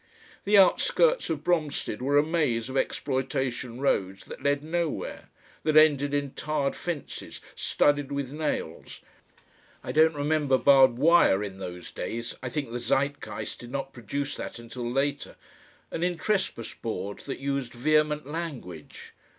The outskirts of Bromstead were a maze of exploitation roads that led nowhere, that ended in tarred fences studded with nails (I don't remember barbed wire in those days; I think the Zeitgeist did not produce that until later), and in trespass boards that used vehement language.